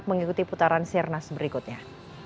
mengikuti putaran sirnas berikutnya